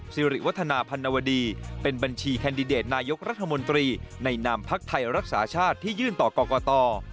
สิริวัฒนาพันวดีเป็นบัญชีแคนดิเดตนายกรัฐมนตรีในนามพักไทยรักษาชาติที่ยื่นต่อกรกต